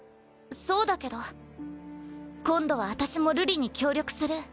そうだけど今度は私も瑠璃に協力する。